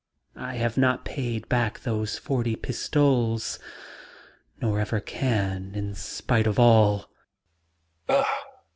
"I have not paid back those forty pistoles, nor ever can, in spite of all."